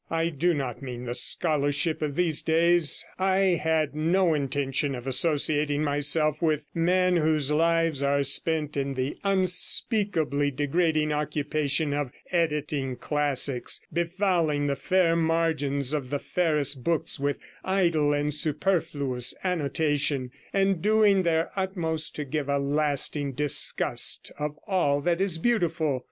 I do not mean the scholarship of these days; I had no intention of associating myself with men whose lives are spent in the unspeakably degrading occupation of 'editing' classics, befouling the fair margins of the fairest books with idle and superfluous annotation, and doing their utmost to give a lasting disgust of all that is beautiful.